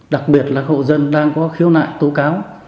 đặc biệt là hộ dân đang có khiếu nại tố cáo